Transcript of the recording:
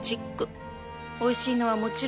おいしいのはもちろんエモいわ